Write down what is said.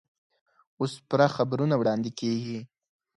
اوس پوره خبرونه واړندې کېږي.